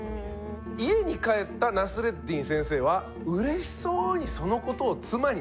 家に帰ったナスレッディン先生はうれしそうにそのことを妻に伝えました。